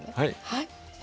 はい。